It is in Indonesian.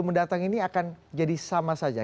mendatang ini akan jadi sama saja